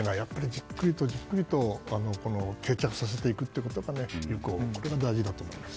じっくりじっくりと定着させていくことが大事だと思います。